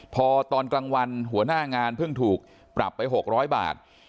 พอตอนกลางวันหัวหน้างานเพิ่งถูกปรับไป๖๐๐บาท